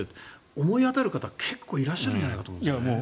思い当たる方結構いらっしゃるんじゃないかと思いますけどね。